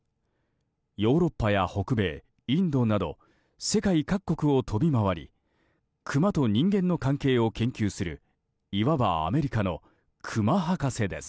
ヨーロッパや北米、インドなど世界各国を飛び回りクマと人間の関係を研究するいわばアメリカのクマ博士です。